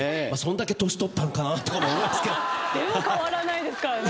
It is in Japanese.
でも変わらないですからね。